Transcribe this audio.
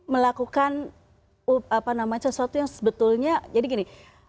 melakukan sesuatu yang sebetulnya jadi gini